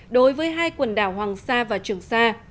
đối với hai quần đảo hoàng sa và trường sa